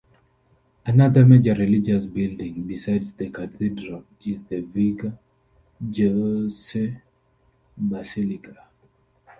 Another major religious building, besides the cathedral, is the Virga Jesse Basilica.